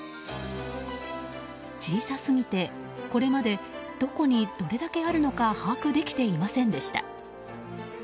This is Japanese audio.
小さすぎて、これまでどこにどれだけあるのか把握できていませんでした。